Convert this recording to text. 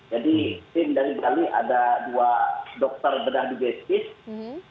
jadi tim dari bali ada dua dokter bedah di geskis